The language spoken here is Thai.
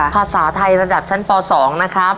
ภาษาไทยระดับชั้นป๒นะครับ